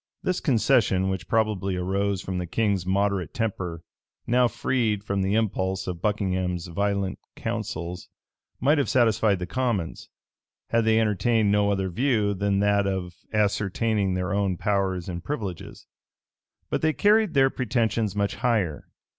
This concession, which probably arose from the king's moderate temper, now freed from the impulse of Buckingham's violent counsels, might have satisfied the commons, had they entertained no other view than that of ascertaining their own powers and privileges. But they carried their pretensions much higher.